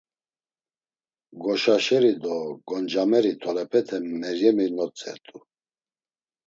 Goşaşeri do goncameri tolepete Meryemi notzert̆u.